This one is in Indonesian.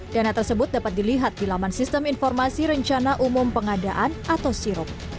dana tersebut dapat dilihat di laman sistem informasi rencana umum pengadaan atau sirup